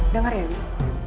dengar ya wih